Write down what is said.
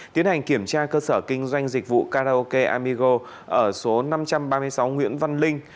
tiến hành kiểm tra cơ sở kinh doanh dịch vụ karaoke amigo ở số năm trăm ba mươi sáu nguyễn văn linh